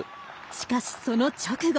しかし、その直後。